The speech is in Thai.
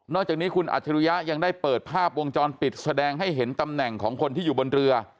จากนี้คุณอัจฉริยะยังได้เปิดภาพวงจรปิดแสดงให้เห็นตำแหน่งของคนที่อยู่บนเรือ